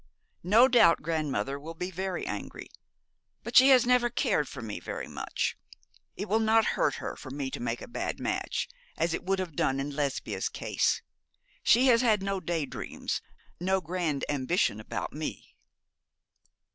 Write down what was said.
No doubt grandmother will be very angry. But she has never cared for me very much. It will not hurt her for me to make a bad match, as it would have done in Lesbia's case. She has had no day dreams no grand ambition about me!'